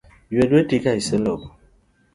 Ywe lweti ka iselogo.